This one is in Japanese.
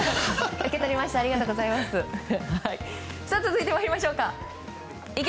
続いて参りましょうか。